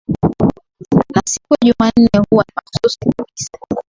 na siku ya jumanne huwa ni mahususi kabisa